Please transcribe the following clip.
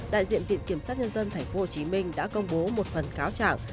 đại diện viện kiểm sát nhân dân tp hcm đã công bố một phần cáo trạng